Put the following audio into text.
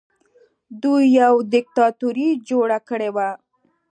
دوی یوه دیکتاتوري جوړه کړې وه